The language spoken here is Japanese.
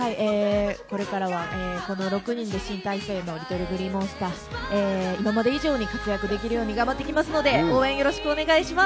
これからはこの６人で新体制のＬｉｔｔｌｅＧｌｅｅＭｏｎｓｔｅｒ、今まで以上に活躍できるようにかんばっていきますので、応援よろしくお願いします。